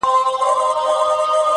• تک سپين کالي کړيدي.